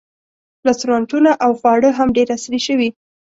رسټورانټونه او خواړه هم ډېر عصري شوي.